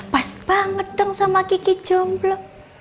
pas banget dong sama kiki jomblo